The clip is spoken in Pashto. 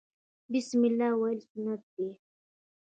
بسم الله ویل سنت دي